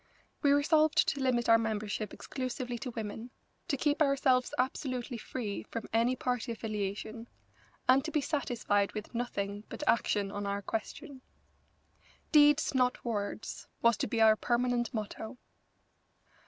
We resolved to limit our membership exclusively to women, to keep ourselves absolutely free from any party affiliation, and to be satisfied with nothing but action on our question. Deeds, not words, was to be our permanent motto.